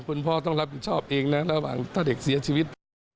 คุณพ่อต้องรับผิดชอบเองนะระหว่างถ้าเด็กเสียชีวิต